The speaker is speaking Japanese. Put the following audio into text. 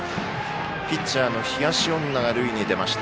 ピッチャーの東恩納が塁に出ました。